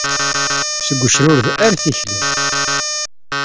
Seg ucrured ar tikli.